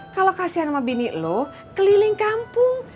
kalau kasihan sama bini loh keliling kampung